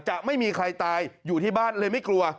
จะไม่มีใครตายอยู่ที่บ้านเลยไม่กลัว